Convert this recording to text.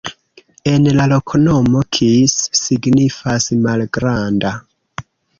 En la loknomo kis signifas: malgranda.